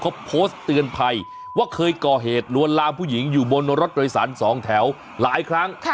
เขาโพสต์เตือนภัยว่าเคยก่อเหตุลวนลามผู้หญิงอยู่บนรถโดยสารสองแถวหลายครั้ง